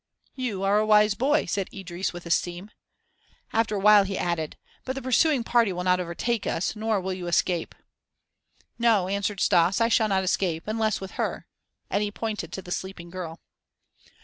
"You are a wise boy," said Idris with esteem. After a while he added: "But the pursuing party will not overtake us nor will you escape." "No," answered Stas, "I shall not escape unless with her." And he pointed to the sleeping girl.